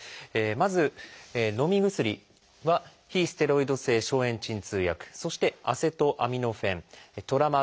まずのみ薬は非ステロイド性消炎鎮痛薬そしてアセトアミノフェントラマドール塩酸塩。